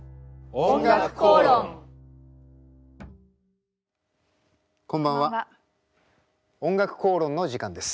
「おんがくこうろん」の時間です。